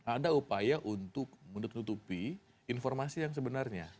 ada upaya untuk menutupi informasi yang sebenarnya